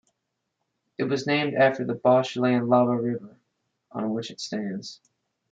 It was named after the Bolshaya Laba River on which it stands.